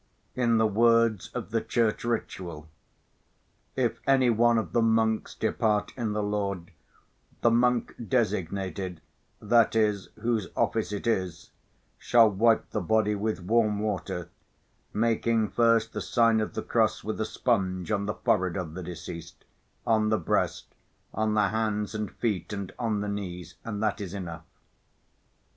In the words of the Church Ritual: "If any one of the monks depart in the Lord, the monk designated (that is, whose office it is) shall wipe the body with warm water, making first the sign of the cross with a sponge on the forehead of the deceased, on the breast, on the hands and feet and on the knees, and that is enough."